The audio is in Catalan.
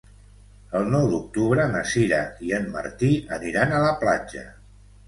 El nou d'octubre na Sira i en Martí aniran a la platja.